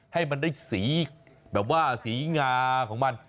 ให้มันได้สีแบบว่าสีงาของมัน